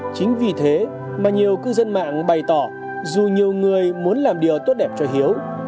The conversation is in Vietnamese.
chính vì thế mà nhiều cư dân mạng bày tỏ dù nhiều người muốn làm điều tốt đẹp cho hiếu